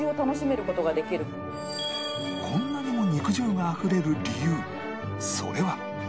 こんなにも肉汁があふれる理由それは